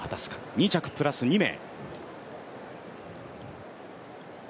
２着プラス２名。